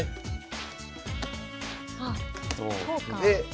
あっそうか。